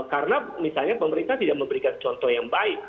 karena misalnya pemerintah tidak memberikan contoh yang baik